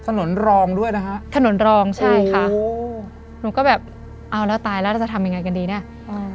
รองด้วยนะคะถนนรองใช่ค่ะโอ้หนูก็แบบเอาแล้วตายแล้วเราจะทำยังไงกันดีเนี้ยอืม